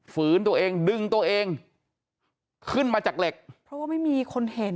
ฝืนตัวเองดึงตัวเองขึ้นมาจากเหล็กเพราะว่าไม่มีคนเห็น